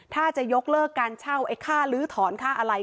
ถ้าจะยกเลิกการเช่าไอ้ค่าลื้อถอนค่าอะไร